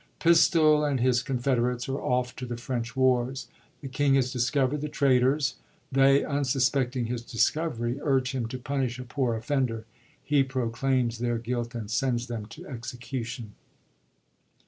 Pistol and hia confederates are off to the French wars. The king has disco verd the traitors ; they, unsuspecting his discovery, urge him to punish a poor offender ; he proclaims their guilt and sends them to execution.